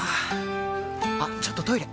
あっちょっとトイレ！